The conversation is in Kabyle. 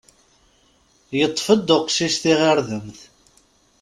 Yeṭṭef-d uqcic tiɣirdemt.